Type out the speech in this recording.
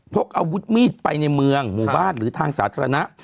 พกอาวุธมีดไปในเมืองหมู่บ้านหรือทางสาธารณะ